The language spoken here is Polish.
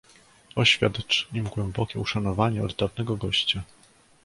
"Oświadcz im głębokie uszanowanie od dawnego gościa."